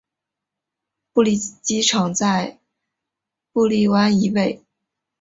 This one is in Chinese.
布利机场在布利湾以北。